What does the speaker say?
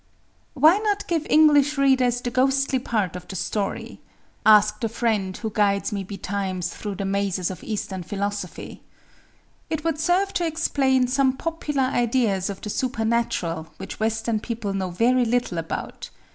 "Why not give English readers the ghostly part of the story?"—asked a friend who guides me betimes through the mazes of Eastern philosophy. "It would serve to explain some popular ideas of the supernatural which Western people know very little about.